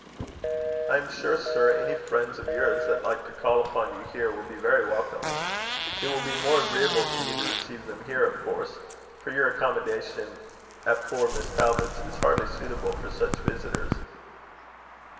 "I am sure, sir, any friends of yours that like to call upon you here, will be very welcome. It will be more agreeable to you to receive them here, of course; for your accommodation at poor Miss Talbot's is hardly suitable for such visitors."